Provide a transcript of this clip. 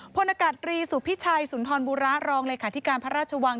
พลอากาศตรีสุพิชัยสุนทรบุระรองเลขาธิการพระราชวัง